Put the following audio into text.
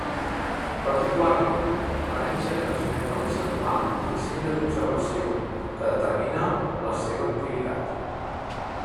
Particularment, l'herència transmet a l'ésser humà l'instint de conservació, que determina la seva activitat.